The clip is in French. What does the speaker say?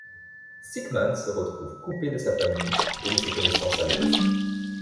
Siekmann se retrouve coupée de sa famille et de ses connaissances à l'ouest.